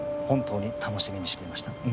本当に楽しみにしていました。